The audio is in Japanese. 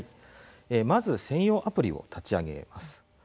まず専用アプリを立ち上げます。